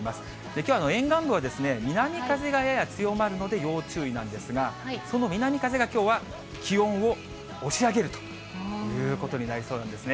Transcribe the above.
きょうは沿岸部は、南風がやや強まるので、要注意なんですが、その南風が、きょうは気温を押し上げるということになりそうなんですね。